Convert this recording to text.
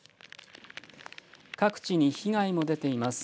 各地に被害も出ています。